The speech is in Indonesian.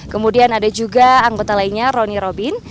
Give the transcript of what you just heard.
kemudian ada juga anggota lainnya roni robin